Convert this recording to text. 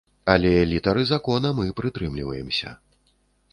Але літары закона мы прытрымліваемся.